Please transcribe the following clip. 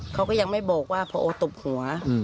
เขาก็ยังไม่บอกว่าพอโอตบหัว